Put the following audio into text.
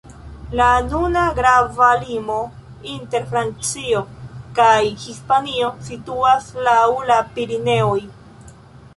La nuna grava limo inter Francio kaj Hispanio situas laŭ la Pireneoj.